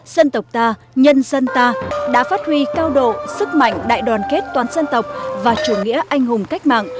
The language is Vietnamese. dân tộc ta nhân dân ta đã phát huy cao độ sức mạnh đại đoàn kết toán dân tộc và chủ nghĩa anh hùng cách mạng